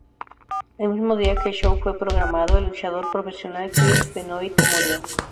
El mismo día que el show fue programado, el luchador profesional Chris Benoit murió.